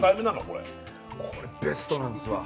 これこれベストなんですわ